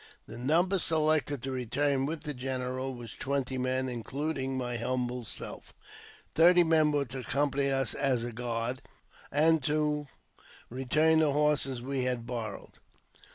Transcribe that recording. The number selected to return with the general was twenty men, including my humble self; thirty men were to accompany us as a guard, and to return the horses we had borrowed.